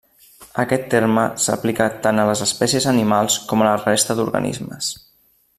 Aquest terme s'aplica tant a les espècies animals com a la resta d'organismes.